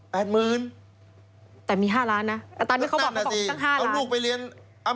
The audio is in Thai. ๘๐๐๐๐บาทแต่มี๕ล้านนะตอนนี้เขาบอกมันต้อง๕ล้าน